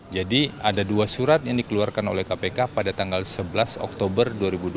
jadi ada dua surat yang dikeluarkan oleh kpk pada tanggal sebelas oktober dua ribu dua puluh tiga